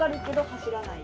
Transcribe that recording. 走らない。